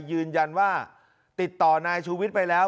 ยืนยันว่าติดต่อนายชูวิทย์ไปแล้ว